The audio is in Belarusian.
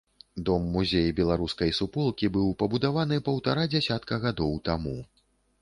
Дом-музей беларускай суполкі быў пабудаваны паўтара дзясятка гадоў таму.